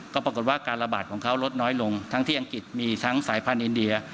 ก็ปรากฏว่าการระบาดของเขาลดน้อยลงทั้งที่อังกฤษมีทั้งสายพันธุ์อินเดีย